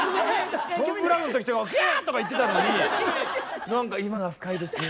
トム・ブラウンの時とか「ギャー！」とか言ってたのに何か「今のは深いですね」